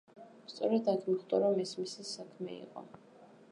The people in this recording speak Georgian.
სწორად აქ მიხვდა, რომ ეს მისი საქმე იყო.